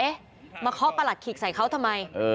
มาเคาะประหลัดขีกใส่เขาทำไม